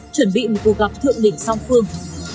chuyển bị một cuộc gặp thượng đỉnh song phương